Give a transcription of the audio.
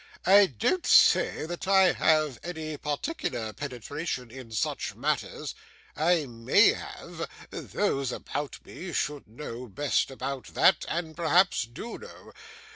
I don't say that I have any particular penetration in such matters. I may have; those about me should know best about that, and perhaps do know.